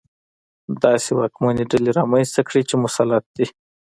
داسې واکمنې ډلې رامنځته کړي چې مسلط دي.